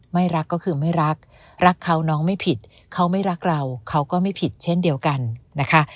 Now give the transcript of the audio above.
ไม่รักก็คือไม่รักรักเขาน้องไม่ผิดเขาไม่รักเราเขาก็ไม่ผิดเช่นเดียวกันนะคะ